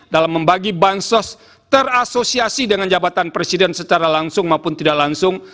dalam membagi bansos terasosiasi dengan jabatan presiden secara langsung maupun tidak langsung